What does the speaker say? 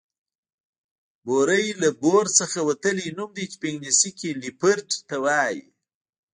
بوری له بور څخه وتلی نوم دی چې په انګليسي کې ليپرډ ته وايي